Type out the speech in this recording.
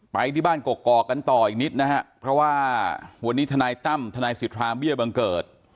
ไปที่บ้านกกอกกันต่ออีกนิดนะฮะเพราะว่าวันนี้ทนายตั้มทนายสิทธาเบี้ยบังเกิด